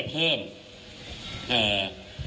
คุณผู้ชมไปฟังผู้ว่ารัฐกาลจังหวัดเชียงรายแถลงตอนนี้ค่ะ